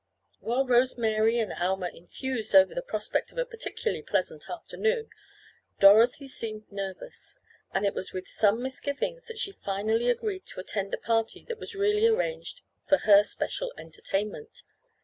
While Rose Mary and Alma enthused over the prospect of a particularly pleasant afternoon, Dorothy seemed nervous, and it was with some misgivings that she finally agreed to attend the party that was really arranged for her special entertainment.